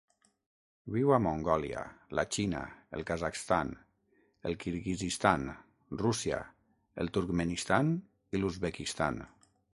Viu a Mongòlia, la Xina, el Kazakhstan, el Kirguizistan, Rússia, el Turkmenistan i l'Uzbekistan.